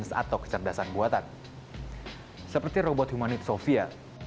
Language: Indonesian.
saya percaya saya adalah sofia